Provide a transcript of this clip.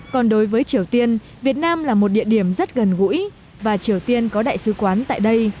còn đối với triều tiên việt nam là một địa điểm rất gần gũi và triều tiên có đại sứ quán tại đây